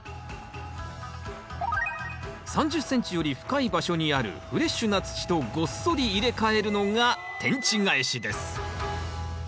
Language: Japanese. ３０ｃｍより深い場所にあるフレッシュな土とごっそり入れ替えるのが天地返しです